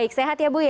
baik sehat ya bu ya